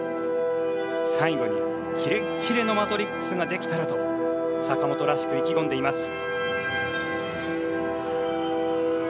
最後にキレッキレの「マトリックス」ができたらと坂本らしく意気込んでいます。